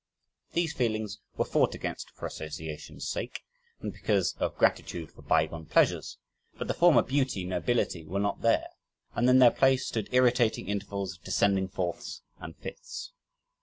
These feelings were fought against for association's sake, and because of gratitude for bygone pleasures but the former beauty and nobility were not there, and in their place stood irritating intervals of descending fourths and fifths.